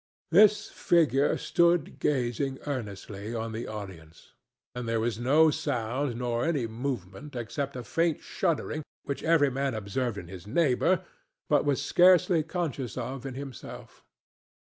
This figure stood gazing earnestly on the audience, and there was no sound nor any movement except a faint shuddering which every man observed in his neighbor, but was scarcely conscious of in himself.